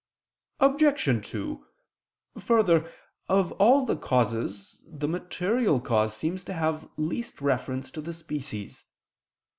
Obj. 2: Further, of all the causes the material cause seems to have least reference to the species.